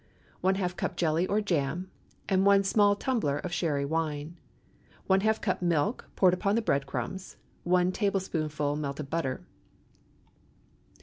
½ cup jelly or jam, and one small tumbler of Sherry wine. ½ cup milk poured upon the bread crumbs. 1 tablespoonful melted butter.